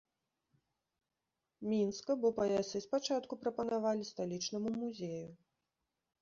Мінска, бо паясы спачатку прапанавалі сталічнаму музею.